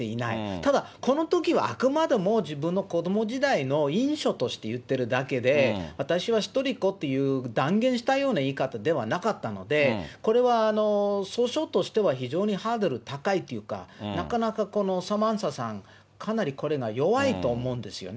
ただ、このときはあくまでも自分の子ども時代の印象として言ってるだけで、私は一人っ子っていう断言したような言い方ではなかったので、これは訴訟としては非常にハードル高いというか、なかなかこのサマンサさん、かなり、これは弱いと思うんですよね。